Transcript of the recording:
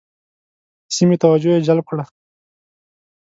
د سیمې توجه یې جلب کړه.